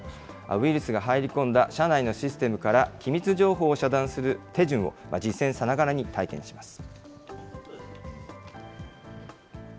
ウイルスが入り込んだ社内のシステムから機密情報を遮断する手順を、実践さながらに体験します。